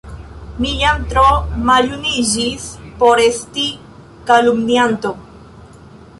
mi jam tro maljuniĝis por esti kalumnianto!